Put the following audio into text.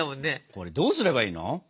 これどうすればいいの？